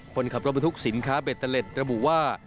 คนขับรถบรรทุกสินค้าเบตเตอร์เล็ตระบุว่า